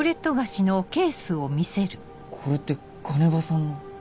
これって鐘場さんの？